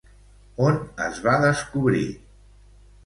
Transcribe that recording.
On es va descobrir?